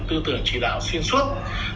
tư tưởng chỉ đạo xuyên suốt